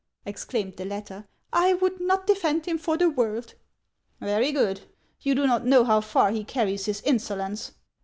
" exclaimed the latter ;" I would not defend him for the world." " Very good. You do not know how far he carries his insolence.